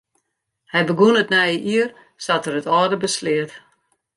Hy begûn it nije jier sa't er it âlde besleat.